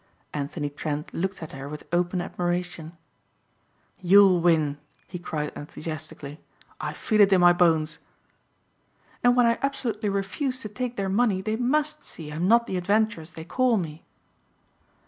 Anthony Trent looked at her with open admiration. "You'll win," he cried enthusiastically, "I feel it in my bones." "And when I absolutely refuse to take their money they must see I'm not the adventuress they call me."